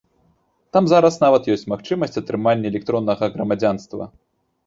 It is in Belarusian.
Там зараз нават ёсць магчымасць атрымання электроннага грамадзянства.